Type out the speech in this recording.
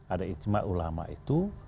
ada ijma ulama itu